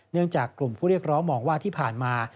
จากกลุ่มผู้เรียกร้องมองว่าที่ผ่านมา